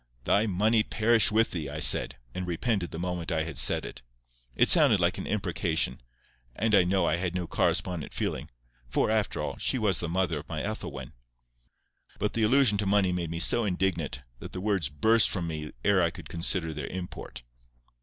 "Thy money perish with thee!" I said, and repented the moment I had said it. It sounded like an imprecation, and I know I had no correspondent feeling; for, after all, she was the mother of my Ethelwyn. But the allusion to money made me so indignant, that the words burst from me ere I could consider their import.